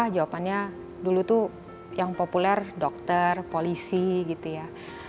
jawabannya dulu tuh yang populer dokter polisi gitu ya